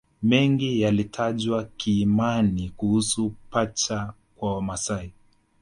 Mengi yalitajwa kiimani kuhusu pacha kwa Wamasai